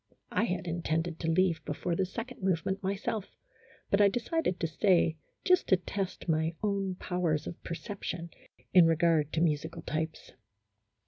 I had intended to leave before the second move ment myself, but I decided to stay just to test my own powers of perception in regard to musical types.